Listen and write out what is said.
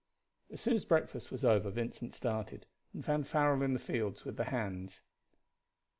As soon as breakfast was over Vincent started, and found Farrell in the fields with the hands.